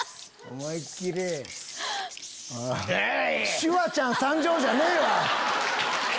「シュワちゃん参上」じゃねえわ！